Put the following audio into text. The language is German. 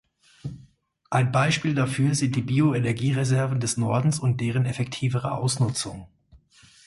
Ein Beispiel dafür sind die Bioenergiereserven des Nordens und deren effektivere Ausnutzung.